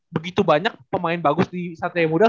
begitu banyak pemain bagus di satria muda